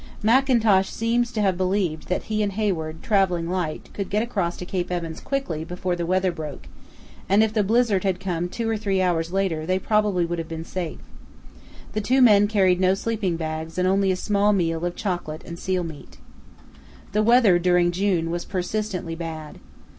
Mackintosh seems to have believed that he and Hayward, travelling light, could get across to Cape Evans quickly before the weather broke, and if the blizzard had come two or three hours later they probably would have been safe. The two men carried no sleeping bags and only a small meal of chocolate and seal meat. The weather during June was persistently bad.